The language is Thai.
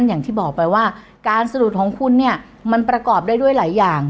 อย่างที่บอกไปว่าการสะดุดของคุณเนี่ยมันประกอบได้ด้วยหลายอย่าง